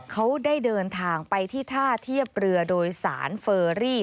เขาได้เดินทางไปที่ท่าเทียบเรือโดยสารเฟอรี่